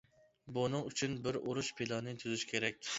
بۇنىڭ ئۈچۈن بىر ئۇرۇش پىلانى تۈزۈش كېرەك.